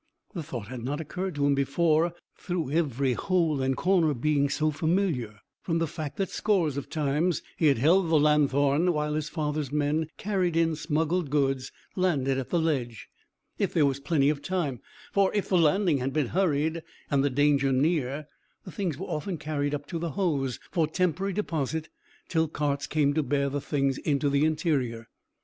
The thought had not occurred to him before, through every hole and corner being so familiar, from the fact that scores of times he had held the lanthorn while his father's men carried in smuggled goods landed at the ledge, if there was plenty of time; for, if the landing had been hurried, and the danger near, the things were often carried up to the Hoze for temporary deposit till carts came to bear the things into the interior.